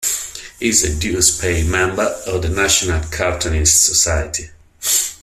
He is a dues-paying member of the National Cartoonists Society.